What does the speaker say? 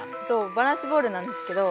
バランスボールなんですけど。